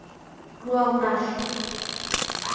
Руалташ!